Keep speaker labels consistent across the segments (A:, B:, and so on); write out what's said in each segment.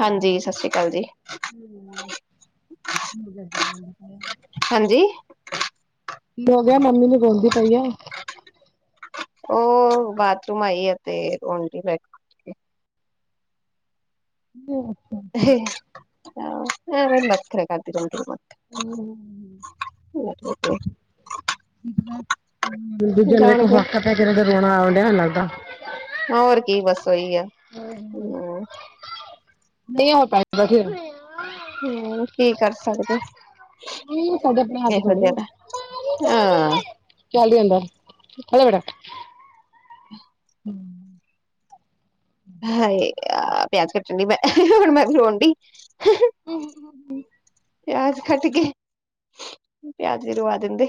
A: ਹਾਂਜੀ'ਸਤਿ ਸ਼੍ਰੀ ਅਕਾਲ ਜੀ ਹਾਂਜੀ
B: ਹੋ ਗਿਆ, ਮੰਮੀ ਨੂੰ ਗਾਉਂਦੀ ਪਈ ਆ
A: ਓ ਬਾਥਰੂਮ ਆਈਆ ਤੇ [unintelligible] [unintelligible]
B: ਹੂੰ
A: [inaudible]
B: ਦੂਜੇ ਨੂੰ
A: ਜਾਣ
B: ਇੱਕ
A: ਕੇ
B: ਹਕ ਦਾ ਰੋਣਾ, ਆਉਣ ਡਿਆਣ ਲੱਗਦਾ
A: ਹੋਰ ਕੀ, ਬਸ ਉਹੀ ਐ
B: ਨਹੀਂ ਹੋ ਪਾਏਗਾ ਫਿਰ
A: ਹੁਣ ਔ ਕੀ ਕਰ ਸਕਦੇ
B: ਸਾਡੇ ਆਪਣੇ ਹੱਥ
A: ਇਹੋ
B: ਥੋੜੀ
A: ਜਿੱਦਾਂ ਹਾਂ।
B: [unintelligible]
A: ਹਾਏ, ਆ ਪਿਆਜ ਕੱਟਣ ਡੀ ਮੈਂ, ਹੁਣ ਮੈਂ ਰੋਣ ਦਈ।
B: ਹੂੰ-ਹੂੰ,
A: ਪਿਆਜ ਖੱਟ ਕੇ, ਪਿਆਜ ਵੀ ਰਵਾ ਦਿੰਦੇ।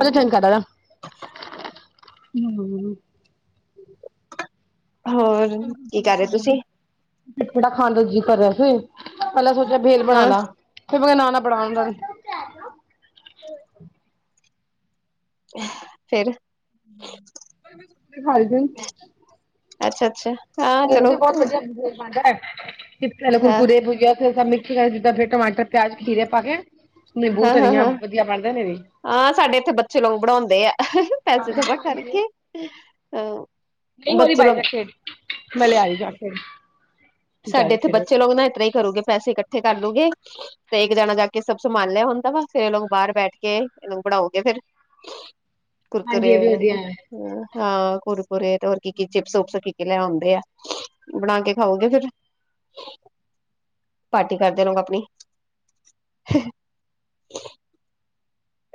B: ਮਲ ਹੂੰ, [unintelligible]
A: ਹੋਰ ਕੀ ਕਰ ਰਹੇ ਤੁਸੀਂ
B: ਤੇ ਵੜਾ, ਖਾਣ ਦਾ ਜੀ ਕਰਦਾ ਫਿਰ ਪਹਿਲਾਂ ਸੋਚਿਆ ਭੇਲ ਬਣਾ
A: ਹਾਂ
B: ਲਾਂ, ਫਿਰ ਮੈਂ ਕਿਹਾ ਨਾ ਨਾ, ਬਣਾਣ ਦਾ
A: ਫੇਰ,
B: ਦਿਖਾਈ ਦੇ,
A: ਅੱਛਾ-ਅੱਛਾ,
B: ਕਹਿੰਦੀ ਸੀ, ਬਹੁਤ ਵਧੀਆ ਭੇਲ ਬਣਦਾ ਐ,
A: ਹਾਂ
B: ਕੁਰਕੁਰੇ ਭੁਜੀਆਂ ਫਿਰ ਸਭ ਮਿਕਸ ਕਰ, ਫਿਰ ਟਮਾਟਰ ਪਿਆਜ, ਖੀਰੇ ਪਾ ਕੇ, ਨਿੰਬੂ
A: ਹਾਂ
B: ਧਨੀਆ,
A: ਹਾਂ
B: ਵਧੀਆ ਬਣਦੇ ਨੇ ਵੀ
A: ਹਾਂ, ਸਾਡੇ ਇੱਥੇ ਬੱਚੇ ਲੋਕ ਬਣਾਦੇ ਆ, ਪੈਸੇ ਜਮਾ ਕਰਕੇ ਹਾਂ।
B: ਨਹੀਂ ਹੋ ਰਹੀ, ਬਾਰਿਸ਼ ਐਥੇ, ਮੈਂ ਲਿਆਈ ਜਾ ਫਿਰ
A: ਸਾਡੇ ਇੱਥੇ ਬੱਚੇ ਲੋਕ ਨਾ ਇਤਰ ਹੀ ਕਰੂਗੇ, ਪੈਸੇ ਇਕੱਠੇ ਕਰ ਲੂਗੇ। ਤੇ ਇੱਕ ਜਾਣਾ ਜਾ ਕੇ ਸਭ ਸੰਭਾਲ ਲਿਆ ਹੁੰਦਾ ਵਾ, ਫਿਰ ਇਹ ਬਾਹਰ ਬੈਠ ਕੇ ਇਹ ਬਣਾਓਗੇ, ਫੇਰ
B: [unintelligible]
A: ਕੁੁਰ ਕਰੇ
B: ਇਹ ਵੀ ਵਧੀਆ ਹੈ।
A: ਹਾਂ ਕੁਰਕਰੇ ਤੇ ਹੋਰ ਕੀ ਕੀ ਚਿਪਸ ਚੁਪਸ ਕੀ ਕੀ ਲੈ ਆਦੇ ਆ। ਬਣਾ ਕੇ ਖਾਓਗੇ ਫੇਰ, ਪਾਰਟੀ ਕਰਦੇ ਰੋ, ਆਪਣੀ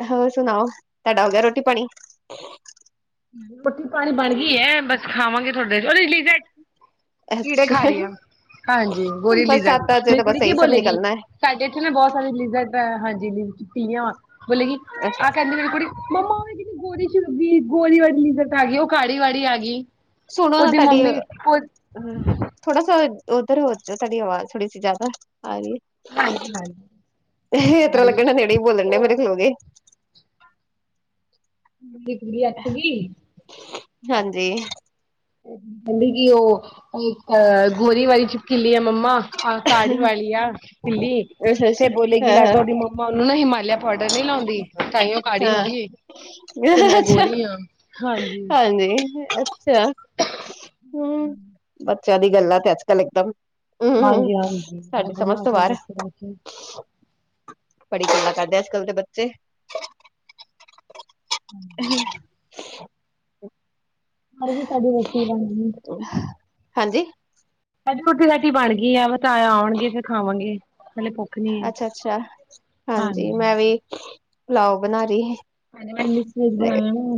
A: ਹੋਰ ਸੁਣਾਓ, ਤੁਹਾਡਾ ਹੋ ਗਿਆ ਰੋਟੀ ਪਾਣੀ?
B: ਰੋਟੀ ਪਾਣੀ ਬਣ ਗਈ ਐ, ਬਸ ਖਾਵਾਂਗੇ ਥੋਡੀ ਕੀੜੇ ਖਾ
A: ਅੱਛਾ
B: ਰਹੀ ਆ, ਹਾਂਜੀ, ਬੋਲ ਹੀ ਨਹੀ ਰਹੇ,
A: ਬਰਸਾਤਾਂ ਚ
B: ਮੇਰੀ
A: ਤਾਂ
B: ਕੁੜੀ
A: ਬਸ
B: ਕੀ
A: ਇਹੀ ਸਭ
B: ਬੋਲੇਗੀ।
A: ਨਿਕਲਣਾ ਹੈ
B: ਸ ਇਥੇ ਨੇ ਬਹੁਤ ਸਾਰੀ ਲਿਜ਼ਰ੍ਡ, ਹਾਂਜੀ ਕੀੜਿਆਂ, ਬੋਲੇ ਕਿ
A: ਅੱਛਾ
B: ਆਹ ਕਹਿੰਦੇ ਮੇਰੀ ਕੁੜੀ ਮੰਮਾ ਉਹ ਕਿਤੇ ਗੋਰੀ ਚ ਗੋਲੀ ਵਾਲੀ ਲਿਜ਼ਰ੍ਡ ਆਗੀ, ਉਹ ਕਾੜੀ ਵਾੜੀ ਆਗੀ।
A: ਸੁਣੋ ਨਾ
B: ਉਹਦੀ
A: ਤੁਹਾਡੀ
B: ਮੰਮੀ ਕੋ
A: ਥੋੜਾ ਸਾ ਉਧਰ ਹੋ ਜੋ, ਤੁਹਾਡੀ ਆਵਾਜ਼ ਥੋੜੀ ਸੀ ਜਿਆਦਾ ਆ ਰਹੀ ਐ।
B: ਹਾਂਜੀ ਹਾਂਜੀ
A: ਇਤਰਾ ਤਰਾ ਲੱਗਣ, ਨੇੜੇ ਹੀ
B: ਮੇਰੀ
A: ਬੋਲਣ ਡਿਆ ਮੇਰੇ ਖਲੋਗੇ।
B: ਕੁੜੀ ਆ ਕੁੜੀ
A: ਹਾਂਜੀ,
B: ਕਹਿੰਦੀ, ਕਿ ਉਹ ਅਹ ਗੋਰੀ ਵਾਲੀ ਛਿਪਕਲੀ ਏ ਮੰਮਾ ਕਾੜੀ ਵਾਲੀ ਆ ਬਿੱਲ੍ਹੀ,
A: ਅੱਛਾ
B: ਤੇ
A: ਅੱਛਾ
B: ਬੋਲੇਗੀ
A: ਹਾਂ
B: ਲੱਗਦਾ ਉਹਦੀ ਮੰਮੀ ਮੈਂ ਉਹਨੂੰ ਨਾ ਹਿਮਾਲਿਆ ਪੋਡਰ ਨੀ ਲਾਦੀ, ਤਾਂਹੀ ਉਹ ਕਾਲੀ ਹੋ
A: ਹਾਂ
B: ਗਈ ਤੇ
A: ਹਾਂ
B: ਮੈਂ
A: ਅੱਛਾ
B: ਗੋਰੀ ਆ। ਹਾਂਜੀ,
A: ਹਾਂਜੀ ਅੱਛਾ, ਹੂੰ, ਬੱਚਿਆਂ ਦੀ ਗੱਲਾਂ ਤੇ ਅੱਜ-ਕੱਲ ਇੱਕਦਮ ਹਮ
B: ਹਾਂਜੀ-ਹਾਂਜੀ, ਬਹੁਤ
A: ਸਾਡੀ ਸਮਝ
B: ਬਿਮਾਰ
A: ਤੋਂ
B: ਹੋ
A: ਬਾਹਰ
B: ਗਿਯਾ ਸੀ
A: ਬੜੀ ਗੱਲਾ ਕਰਦੇ ਐ, ਅੱਜ-ਕੱਲ ਦੇ ਬੱਚੇ ਹੂੰ,
B: ਹਾਂਜੀ, ਸਾਡੀ ਰੋਟੀ ਬਣ ਗਈ।
A: ਹਾਂਜੀ,
B: ਅ ਰੋਟੀ ਰਟੀ ਬਣ ਗਈ ਆ, ਬਸ ਤਾਇਆ ਆਉਣਗੇ ਫੇਰ ਖਾਵਾਂਗੇ। ਨੀ ਹੈ
A: ਅੱਛਾ-ਅੱਛਾ, ਹਾਂਜੀ ਮੈਂ ਵੀ ਪੁਲਾਓ ਬਣਾ ਰਹੀ।
B: ਹਜੇ ਮੈਂ ਮਿਕਸ ਵੈਜ
A: ਤੇ
B: ਬਣਾਇਆ ਵਾ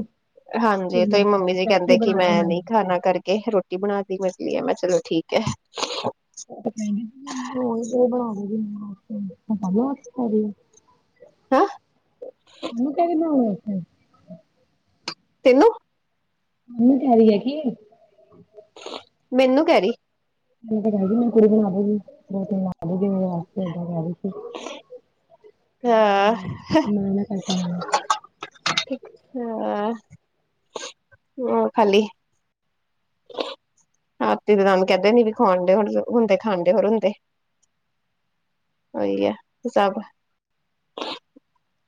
B: ਤੇ
A: ਹਾਂਜੀ, ਮੰਮੀ
B: ਨਾਲ
A: ਜੀ
B: ਪਰਾਂਠੇ
A: ਕਹਿੰਦੇ ਕਿ
B: ਬਣਾਏ
A: ਮੈਂ
B: ਹਾਂਜੀ
A: ਨੀ ਖਾਣਾ ਕਰਕੇ ਰੋਟੀ ਬਣਾ ਤੀ, ਮੈਂ ਚੱਲੀ ਆਂ, ਮੈਂ ਕੇਹਾ, ਚਲੋ ਠੀਕ ਹੈ।
B: ਕਹਿੰਦੇ ਬਣਾ [inaudible]
A: ਹਾਂ
B: ਕੜੀ ਬਣਾਣ ਵਾਸਤੇ [inaudible]
A: ਤਿੰਨੋ?
B: ਮੰਮੀ ਕਹਿ ਰਹੀ ਹੈ ਕਿ?
A: ਮੈਨੂੰ ਕਹਿ ਰਹੀ।
B: ਕੁੜੀ ਹੈਗੀ ਇਹਨਾਂ ਰੋਟੀ ਬਣਾ ਲਏਗੀ ਇਹਨਾਂ ਵਾਸਤੇ ਇਦਾਂ ਕਹਿ ਰਹੀ ਸੀ ਰੋਟੀ ਬਣਾ ਲਈ
A: ਹਾਂ
B: ਕਰ ਪਾਵਾਂਗੀ
A: ਹਾਂ ਹਮ ਖਾਲੀ ਹਾਥੀ ਦੇ ਦੰਦ ਕਹਿੰਦੇ ਨਹੀ ਖੁਆਂਣ ਦੇ ਹੋਰ ਹੁੰਦੇ ਖਾਣ ਦੇ ਹੋਰ ਹੁੰਦੇ। ਉਹੀ ਆ ਤੇ ਸਭ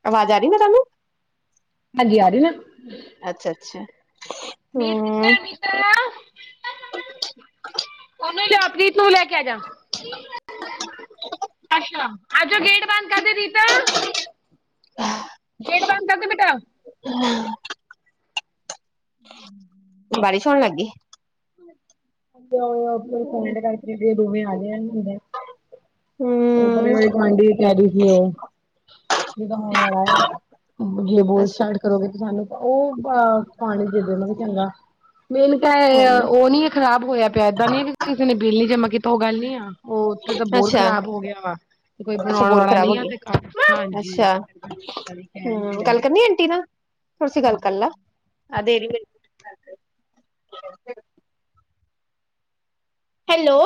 A: ਆਵਾਜ਼ ਆ ਰਹੀ ਮੈਂ ਤੁਹਾਨੂੰ
B: ਹਾਂਜੀ ਆ ਰਹੀ ਨਾ
A: ਅੱਛਾ ਅੱਛਾ
B: ਮੀਤ ਕਿੱਥੇ
A: ਹਮ
B: ਆ ਮੀਤ ਉਹਨੂੰ ਜਾ ਪ੍ਰੀਤ ਨੂੰ ਲੈ ਕੇ ਆ ਜਾ। ਅੱਛਾ ਅੱਜ ਗੇਡ ਬੰਦ ਕਰਦੇ ਰੀਟਾ ਗੇਟ ਬੰਦ ਕਰਦੇ ਬੇਟਾ।
A: ਹਮ
B: ਹਮ
A: ਬਾਰਿਸ਼ ਹੋਣ ਲੱਗ ਗਈ।
B: ਫਰੈਂਡ ਕ [inaudible] ਰਕੇ ਦੋਵੇਂ ਆ ਜਾਏ ਹੁੰਦੇ। ਉਹ ਬੜੇ
A: ਹਮ
B: ਬੇ ਗੁਆਂਢੀ ਵੀ ਕਹਿ ਰਹੀ ਸੀ ਉਹ ਜਿਦਾ ਹੋਣ ਵਾਲਾ ਆ। ਜੇ ਬੋਲ
A: ਅੱਛਾ
B: ਸਟਾਰਟ ਕਰੋਗੇ ਕਿਸ ਸਾਨੂੰ ਤਾਂ ਉਹ ਅ ਪਾਣੀ ਦੇ ਦਿਓ ਚੰਗਾ। ਮੇਨ ਤਾਂ
A: ਹਾਂਜੀ
B: ਉਹ ਨਹੀਂ। ਖਰਾਬ ਹੋਇਆ ਪਿਆ ਏਦਾਂ ਨੀ ਕਿਸੇ ਨੇ ਬਿੱਲ ਨੀ ਜਮਾਂ ਕੀਤਾ ਉਹ ਗੱਲ ਨੀ ਆ ਉਹ ਉੱਥੇ ਤਾਂ ਬਹੁਤ
A: ਅੱਛਾ
B: ਖਰਾਬ
A: ਅੱਛਾ, ਬੋਰ ਖਰਾਬ ਹੋ ਗਈ
B: ਤੇ ਹਾਂਜੀ
A: ਅੱਛਾ
B: ਕਹਿਣ ਤੇ
A: ਹਮ
B: ਰਹੇ
A: ਗੱਲ
B: ਆ।
A: ਕਰਨੀ। ਆਂਟੀ ਦਾ ਸੀ ਗੱਲ ਕਰ ਲਾ। ਹੈਲੋ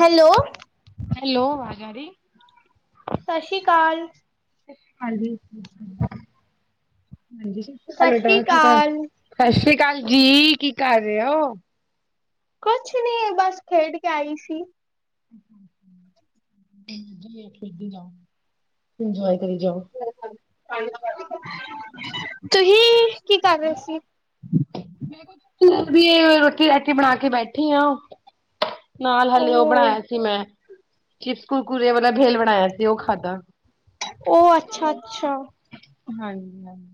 A: ਹੈਲੋ
B: ਹੈਲੋ ਆਵਾਜ਼ ਆ ਰਹੀ?
A: ਸਤਿ ਸ਼੍ਰੀ ਅਕਾਲ।
B: ਹਾਂਜੀ, ਹਾਂਜੀ, ਸਤਿ ਸ੍ਰੀ ਅਕਾਲ ਬੇਟਾ
A: ਸ਼੍ਰੀ
B: ਕੀ ਕਰ?
A: ਅਕਾਲ
B: ਸਤਿ ਸ੍ਰੀ ਅਕਾਲ ਜੀ ਕੀ ਕਰ ਰਹੇ ਹੋ?
A: ਕੁਛ ਨਹੀਂ ਬਸ ਖੇਡ ਕੇ ਆਈ ਸੀ।
B: ਠੀਕ ਹੀ ਏ ਖੇਡੀ ਜਾਓ ਇੰਜੋਏ ਕਰੀ ਜਾਓ।
A: ਤੁਸੀਂ ਕੀ ਕਰ ਰਹੇ ਸੀ?
B: ਮੈਂ ਵੀ ਰੋਟੀ ਰਾਟੀ ਬਣਾ ਕੇ ਬੈਠੀ ਆ। ਨਾਲ ਹਾਲੇ ਉਹ ਬਣਾਇਆ ਸੀ ਮੈਂ ਚਿਪਸ ਕੁਰਕੁਰੇ ਉਹਦਾ ਬੇਲ ਬਣਾਇਆ ਸੀ। ਉਹ ਖਾਧਾ
A: ਉਹ ਅੱਛਾ ਅੱਛਾ।
B: ਹਾਂਜੀ ਹਾਂਜੀ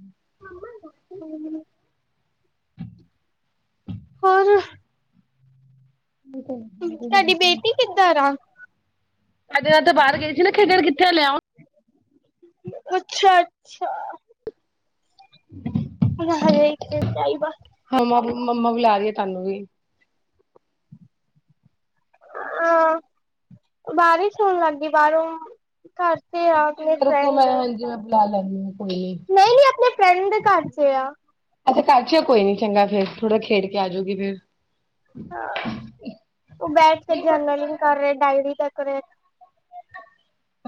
A: ਹਮ ਹੋਰ
B: ਠੀਕ ਹੈ।
A: ਤੁਹਾਡੀ ਬੇਟੀ ਕਿੱਧਰ ਆ?
B: ਅੱਜ ਤੇ ਬਾਹਰ ਗਈ ਸੀ ਨਾ ਖੇਡਣ ਕਿੱਥੇ ਲਿਆਓ।
A: ਅੱਛਾ ਅੱਛਾ
B: ਹ
A: ਉਹਨਾਂ ਹਜੇ ਇੱਕ ਦਿਨ ਟਾਈਮ ਆ।
B: ਹਾਂਾ ਮੰਮਾ ਬ ਲੈ ਦੀਏ ਤੁਹਾਨੂੰ ਵੀ
A: ਹਾਂ ਬਾਰਿਸ਼ ਹੋਣ ਲੱਗ ਗਈ ਬਾਹਰੋਂ ਘਰ ਤੇ ਆ ਆਪਣੇ
B: ਤੁਸੀਂ ਰੁਕੋ
A: ਫਰੈਂਡ
B: ਉਸ ਨੂੰ ਬਾਹਰੋਂ ਬੁਲਾ ਲਿਆਦੀ ਆ ਦੇ ਰੱਖੋ ਮੈਂ ਹਾਂਜੀ ਮੈਂ ਬੁਲਾ ਲੈਂਦੀ ਹਾਂ ਕੋਈ
A: ਨਹੀਂ ਨਹੀਂ ਆਪਣੇ ਫਰੈਂਡ ਦੇ ਘਰ ਚ ਆ
B: ਅੱਛਾ ਘਰ ਚ ਕੋਈ ਨੀ ਚੰਗਾ ਫੇਰ ਥੋੜਾ ਖੇਡ ਕੇ ਆ ਜਾਊਗੀ ਫੇਰ।
A: ਉਹ ਬੈਠ ਕੇ ਜਰਨਲਿੰਗ ਕਰ ਰਹੇ ਡਾਇਰੀ ਤੱਕ ਰਹੇ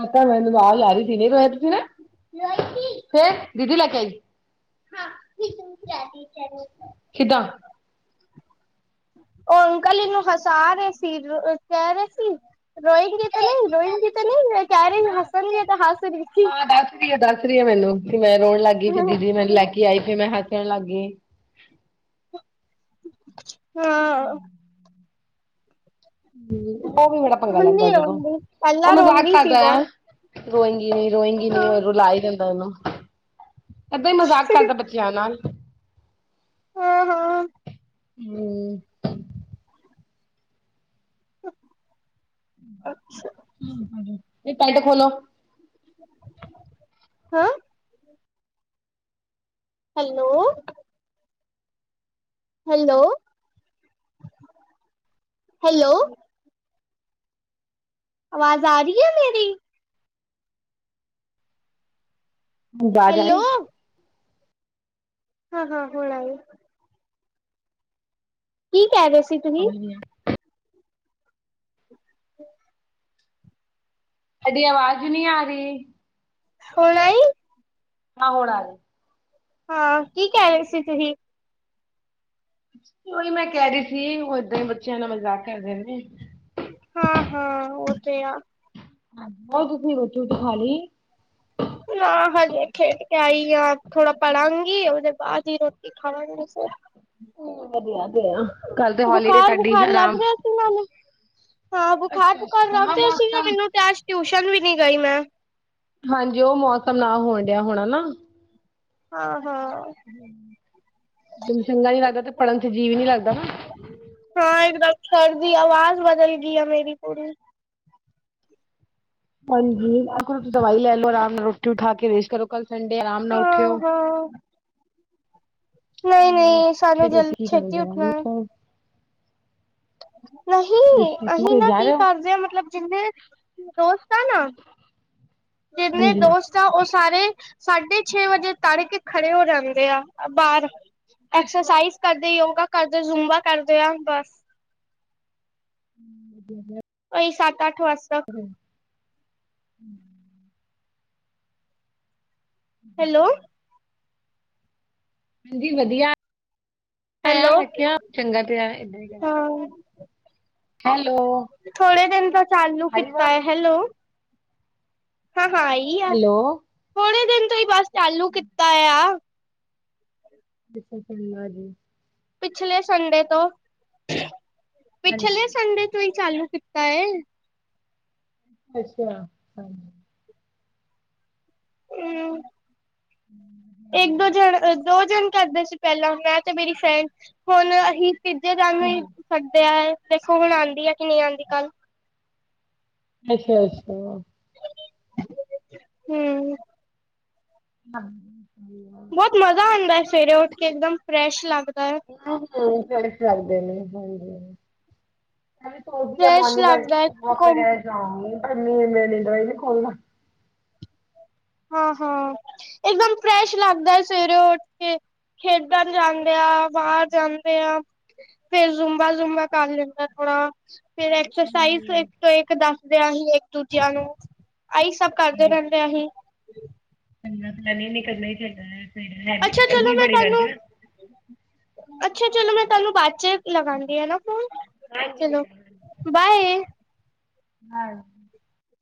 B: ਆਤਾ ਮੈਨੂੰ ਬਾਗ ਲਾ ਰਹੀ ਸੀਨ ਰਇ ਤੁਸੀ ਨਾ ਫੇਰ ਦੀਦੀ ਲੈ ਕੇ ਆਈ ਕਿਦਾ
A: ਉਹ ਅੰਕਲ ਇਹਨੂੰ ਹਸਾ ਰਹੇ ਸੀ ਕਹਿ ਰਹੇ ਸੀ ਰੋਏਗੀ ਤਾਂ ਨਹੀਂ ਰੋਇੰਗੀ ਤਾਂ ਨਹੀਂ ਕਹਿ ਰਹੇ ਹੱਸਣਗੇ ਤਾਂ ਹੱਸ ਲਖੀ
B: ਹਾਂ ਦੱਸ ਦੱਸ ਰਹੀ ਮੈਨੂੰ ਵੀ ਮੈਂ ਰੋਣ ਲਗ ਗਈ ਫੇ
A: ਹਾਂ
B: ਦੀਦੀ ਮੈਨੂੰ ਲੈ ਕੇ ਆਈ ਫਿਰ ਮੈਂ ਹੱਸਣ ਲੱ ਗਈ ਹਮ ਹ ਉਹ ਵੀ ਬੜਾ ਪੰਗਾ
A: ਹੁਣ
B: ਲੈਂਦਾ
A: ਨੀ
B: ਜਦੋਂ
A: ਰੋਂਦੀ
B: ਉਹ
A: ਪਹਿਲਾਂ
B: ਮਜਾਕ
A: ਰੋਂਦੀ ਸੀ
B: ਕਰਦਾ ਆ
A: ਬਹੁਤ
B: ਰੋਇੰਗੀ ਨੀ ਰੋਇੰਗੀ ਨੀ
A: ਹਾਂ।
B: ਰੁਲਾ ਹੀ ਜਾਂਦਾ ਇਹਨੂੰ ਏਦਾਂ ਹੀ ਮਜ਼ਾਕ ਕਰਦਾ ਬੱਚਿਆਂ ਨਾਲ
A: ਹਾਂ-ਹਾਂ
B: ਹਮ
A: ਅੱਛਾ
B: ਇਹ ਪੈਟ ਖੋਲੋ
A: ਹੈਂ ਹੈਲੋ ਹੈਲੋ-ਹੈਲੋ ਆਵਾਜ਼ ਆ ਰਹੀ ਹੈ ਮੇਰੀ
B: ਜਾ-ਜਾ
A: ਹੈਲੋ ਹਾਂ-ਹਾਂ ਹੋਣ ਆਈ ਕੀ ਕਹਿ ਰਹੇ ਸੀ ਤੁਸੀਂ
B: ਹਾਂਜੀ ਹਾਂ ਤੁਹਾਡੀ ਆਵਾਜ਼ ਨਹੀਂ ਆ ਰਹੀ
A: ਹੁਣ ਆਈ
B: ਹਾਂ ਹੋੌਣ ਆ ਰਹੀ
A: ਹਾਂ ਕੀ ਕਹਿ ਰਹੇ ਸੀ ਤੁਸੀਂ
B: ਉਹੀ ਮੈਂ ਕਹਿ ਰਹੀ ਸੀ ਉਹ ਏਦਾਂ ਬੱਚਿਆਂ ਨਾਲ ਮਜ਼ਾਕ ਕਰਦੇ ਨੇ
A: ਹਾਂ-ਹਾਂ ਉਹ ਤੇ ਆ
B: ਹਾਂ ਤੁਸੀ ਰੋਟੀ ਰੁਟੀ ਖਾਲੀ
A: ਨਾ ਹਜੇ ਖੇਡ ਕੇ ਆਈਏ ਥੋੜਾ ਪੜਾਂਗੀ ਉਹਦੇ ਬਾਅਦ ਹੀ ਰੋਟੀ ਖਾਣਾ ਨੀ ਵੀਸੇ
B: ਵਧੀਆ ਵਧੀਆ ਕੱਲ ਤੇ ਹੋਲੀਡੇ ਤੁਹਾਡੀ
A: ਬੁਖਾਰ-ਬੁਖਾਰ ਲੱਗ
B: ਆਰਾਮ
A: ਰਿਹਾ ਸੀ ਮੈਨੂੰ ਹਾਂ
B: ਅੱਛਾ
A: ਬੁਖਾਰ-ਬੁਖਾਰ
B: ਅੱਛਾ ਹਾਂ
A: ਲਗ ਸੀਗਾ
B: ਮੌਸਮ
A: ਮੈਨੂੰ ਤੇ ਆਜ ਟਿਊਸ਼ਨ ਵੀ ਨੀ ਗਈ ਮੈਂ
B: ਹਾਂਜੀ ਉਹ ਮੌਸਮ ਨਾ ਹੋਣ ਡਿਆ ਹੋਣਾ ਨਾ
A: ਹਾਂ ਹਾਂ
B: ਮਨ ਚਂਗਾ ਨੀ ਲੱਗਦਾ ਤੇ ਪੜ੍ਹਨ ਤੇ ਜੀਵ ਨੀ ਲੱਗਦਾ
A: ਹਾਂ ਇੱਕਦਮ ਖੜ ਦੀ ਆਵਾਜ਼ ਬਦਲ ਗਈ ਆ ਮੇਰੀ ਪੂਰੀ
B: ਹਾਂਜੀ ਆਖੋਸੀਂ ਦਵਾਈ ਲੈ ਲਓ ਆਰਾਮ ਨਾਲ ਰੋਟੀ ਉਠਾ ਕੇ ਰੇਸ਼ ਕਰੋ ਕੱਲ ਸੰਡੇ ਆਰਾਮ ਨਾਲ ਉੱਠਿਓ
A: ਹਾਂ-ਹਾਂ,
B: ਹ
A: ਨਹੀਂ-ਨਹੀਂ ਸਾਨੂੰ
B: ਫੇ
A: ਜਲ
B: ਉਤੀ ਕੀ ਕਰ
A: ਛੇਤੀ
B: ਜਾ
A: ਉੱਠਣਾ ਹੈ। ਨਹੀਂ ਅਸੀਂ ਨਾ ਕੀ
B: ਹੋ
A: ਕਰਦੇ ਹ ਮਤਲਬ ਜਿੰਨੇ ਦੋਸਤ ਆ ਨਾ
B: ਹਾਂਜੀ
A: ਤਾਂ ਉਹ ਸਾਰੇ ਸਾਢੇ ਛੇ ਵਜੇ ਤੜ ਕੇ ਖੜੇ ਹੋ ਜਾਂਦੇ ਆ ਬਾਹਰ ਐਕਸਰਸਾਈਜ਼ ਕਰਦੇ ਯੋਗਾ ਕਰਦੇ ਜ਼ੁਮਬਾ ਕਰਦੇ ਆ ਬਸ
B: ਵਧੀਆ ਫ
A: ਅ ਸਤ ਆਠ ਵਸ
B: [inaudible]
A: ਹੈਲੋ
B: ਹਾਂਜੀ ਵਧੀਆ [unintelligible] ਚੰਗਾ ਤੇ ਆ
A: ਹਾਂ ਥੋੜੇ ਦਿਨ ਤਾਂ ਚਾਲੂ
B: ਆ ਰਹੀ
A: ਕੀਤਾ
B: ਆਵਾਜ਼
A: ਹੈ ਹੈਲੋ ਹਾਂ ਹਾਂ, ਆਈ ਆ
B: ਹੈਲੋ
A: ਥੋੜੇ ਦਿਨ ਤੋਂ ਹੀ ਬਸ ਚਾਲੂ ਕੀਤਾ ਆ।
B: [unintelligible]
A: ਪਿਛਲੇ ਸੰਡੇ ਤੋਂ ਪਿਛਲੇ
B: ਹਾਂਜੀ
A: ਸੰਡੇ ਤੋਂ ਹੀ ਚਾਲੂ ਕੀਤਾ ਏ।
B: ਅੱਛਾ ਹਾਂਜੀ,
A: ਹੂੰ,
B: [inaudible]
A: ਇੱਕ ਦੋ ਜਣੇ ਦੋ ਜਣੇ ਕਰਦੇ ਸੀ ਪਹਿਲਾਂ ਮੈਂ ਤੇ ਮੇਰੀ ਫ੍ਰੈਂਡ ਹੁਣ ਅਸੀਂ ਤੀਜੇ [unintelligible] ਦੇਖੋ ਹੁਣ ਆਂਦੀ ਐ ਕਿ ਨੀ ਆਂਦੀ ਕੱਲ।
B: ਅੱਛਾ ਅੱਛਾ,
A: ਹੂੰ,
B: ਹਾਂ,
A: ਬਹੁਤ ਮਜ਼ਾ ਆਂਦਾ ਸਵੇਰੇ ਉੱਠ ਕੇ ਇੱਕਦਮ ਫਰੈਸ਼ ਲੱਗਦਾ।
B: [unintelligible] ਸਕਦੇ ਨੇ ਹਾਂਜੀ। ਮੈਂ ਵੀ ਸੋਚਦੀ ਆ
A: ਫਰੈਸ਼ ਲੱਗਦਾ ਹੈ ਘੁੰਮ
B: [unintelligible] ਖੋਲਣਾ।
A: ਹਾਂ ਹਾਂ, ਇਕਦਮ ਫਰੈਸ਼ ਲੱਗਦਾ ਸਵੇਰੇ ਉੱਠ ਕੇ। ਖੇਡਣ ਜਾਂਦੇ ਆ ਬਾਹਰ ਜਾਂਦੇ ਆ। ਫੇਰ ਜ਼ੁੰਬਾ ਜ਼ੂੰਬਾ ਕਰ ਲੈਂਦਾ ਥੋੜਾ। ਫਿਰ ਐਕਸਰਸਾਈਜ਼ ਇੱਕ ਤੋਂ ਇੱਕ ਦੱਸਦਿਆਂ ਅਸੀਂ ਇੱਕ ਦੂਜਿਆਂ ਨੂੰ ਆਹੀ ਸਭ। ਕਰਦੇ ਰਹਿੰਦੇ ਅਸੀਂ ਅੱਛਾ ਚਲੋ
B: [unintelligible]
A: ਮੈਂ
B: ਬੜੀ
A: ਤੁਹਾਨੂੰ
B: ਰਹਿੰਦੀ।
A: ਅੱਛਾ ਚਲੋ ਮੈਂ ਤੁਹਾਨੂੰ ਬਾਅਦ ਚ ਲਗਾਂਦੀ ਆ ਨਾ ਫੋਨ।
B: ਹਾਂਜੀ
A: ਚਲੋ
B: ਬੇਟਾ
A: ਬਾਏ।
B: ਹਾਂ,